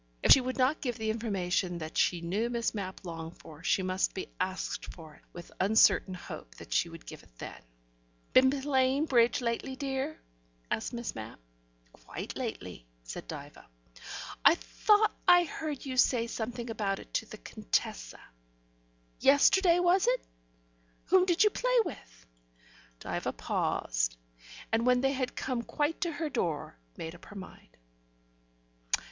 If she would not give the information that she knew Miss Mapp longed for, she must be asked for it, with the uncertain hope that she would give it then. "Been playing bridge lately, dear?" asked Miss Mapp. "Quite lately," said Diva. "I thought I heard you say something about it to the Contessa. Yesterday, was it? Whom did you play with?" Diva paused, and, when they had come quite to her door, made up her mind.